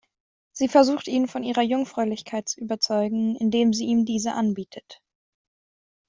Sie versucht ihn von ihrer Jungfräulichkeit zu überzeugen, indem sie ihm diese anbietet.